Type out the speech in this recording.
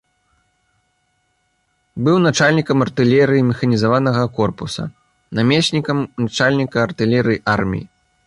Быў начальнікам артылерыі механізаванага корпуса, намеснікам начальніка артылерыі арміі.